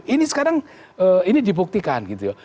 ini sekarang ini dibuktikan gitu ya